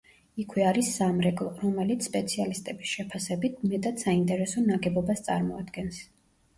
იქვე არის სამრეკლო, რომელიც, სპეციალისტების შეფასებით, მეტად საინტერესო ნაგებობას წარმოადგენს.